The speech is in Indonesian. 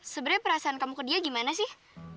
sebenarnya perasaan kamu ke dia gimana sih